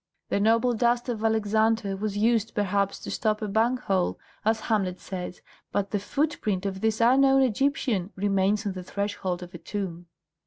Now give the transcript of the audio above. The noble dust of Alexander was used perhaps to stop a bung hole, as Hamlet says, but the footprint of this unknown Egyptian remains on the threshold of a tomb."